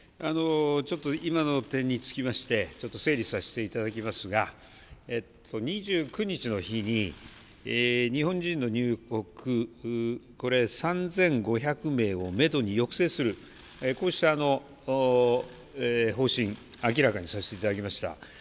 今の件につきまして、ちょっと整理させていただきますが２９日の日に日本人の入国、これ、３５００名をめどに抑制する、こうした方針を明らかにさせていただきました。